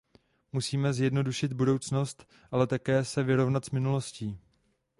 Musíme zjednodušit budoucnost, ale také se vyrovnat s minulostí.